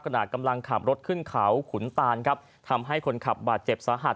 ขณะกำลังขับรถขึ้นเขาขุนตานครับทำให้คนขับบาดเจ็บสาหัส